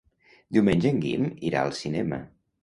Diumenge en Guim irà al cinema.